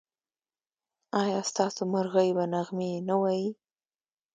ایا ستاسو مرغۍ به نغمې نه وايي؟